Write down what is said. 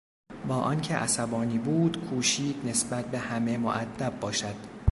با آنکه عصبانی بود کوشید نسبت به همه مودب باشد.